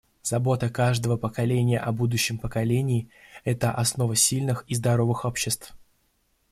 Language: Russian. Забота каждого поколения о будущем поколении — это основа сильных и здоровых обществ.